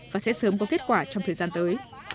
và sẽ sớm có kết quả trong thời gian tới